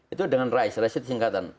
itu dengan res res itu singkatan